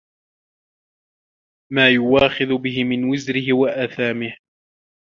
مَا يُؤَاخَذُ بِهِ مِنْ وِزْرِهِ وَآثَامِهِ